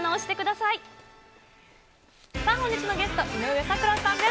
さあ、本日のゲスト、井上咲楽さんです。